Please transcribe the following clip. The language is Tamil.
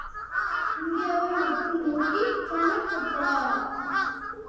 இந்தியாவை மட்டும் நோக்கிச் சொன்ன சொற்களா?